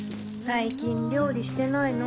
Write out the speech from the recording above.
最近料理してないの？